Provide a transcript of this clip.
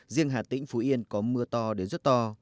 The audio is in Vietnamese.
riêng hà tĩnh phú yên có mưa to đến rất to